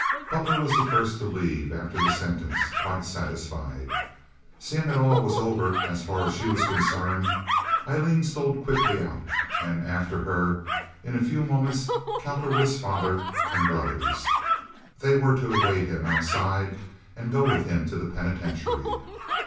Butler was the first to leave after the sentence—quite satisfied. Seeing that all was over so far as she was concerned, Aileen stole quickly out; and after her, in a few moments, Cowperwood's father and brothers. They were to await him outside and go with him to the penitentiary.